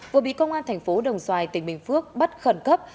vừa bị công an tp đồng xoài tp bình phước bắt khẩn cấp